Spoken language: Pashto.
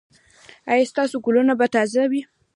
ایا ستاسو ګلونه به تازه وي؟